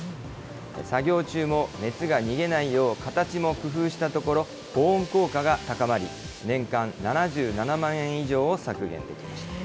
作業中も熱が逃げないよう、形も工夫したところ、保温効果が高まり、年間７７万円以上を削減できました。